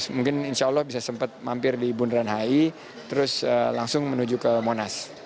mungkin insya allah bisa sempat mampir di bundaran hi terus langsung menuju ke monas